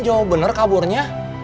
jauh bener kaburnya